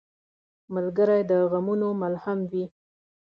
ملګری د غمونو ملهم وي.